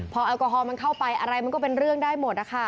พอแอลกอฮอลมันเข้าไปอะไรมันก็เป็นเรื่องได้หมดนะคะ